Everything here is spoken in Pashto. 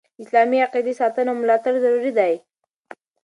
د اسلامي عقیدي ساتنه او ملاتړ ضروري دي.